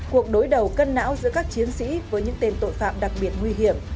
cuộc đối đầu cân não giữa các chiến sĩ với những tên tội phạm đặc biệt nguy hiểm